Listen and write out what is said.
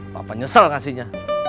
bapak nyesel kasihnya